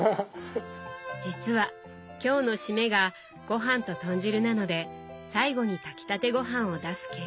実は今日の締めがごはんと豚汁なので最後に炊きたてごはんを出す計算。